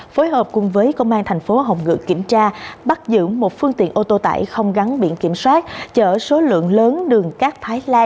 phối hợp cùng với công an tp hồng ngựa kiểm tra bắt giữ một phương tiện ô tô tải không gắn biển kiểm soát